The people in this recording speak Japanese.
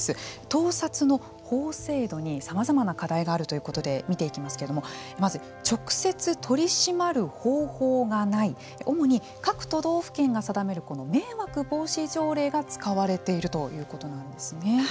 盗撮の法制度にさまざまな課題があるということで見ていきますけれどもまず、直接取り締まる方法がない主に各都道府県が定める迷惑防止条例が使われているということなんですね。